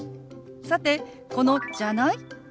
さてこの「じゃない？」。